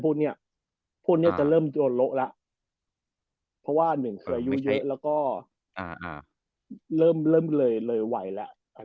พวกนี้จะเริ่มละออกแล้วเพราะว่าเหนื่อยเยอะเริ่มเลยไหวแล้ว